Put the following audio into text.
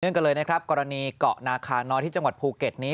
กันเลยนะครับกรณีเกาะนาคาน้อยที่จังหวัดภูเก็ตนี้